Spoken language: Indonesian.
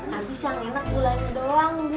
habis yang enak gulanya doang bu